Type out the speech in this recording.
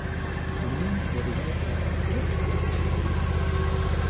Il nome deriverebbe dalla ricchezza di acque sorgive.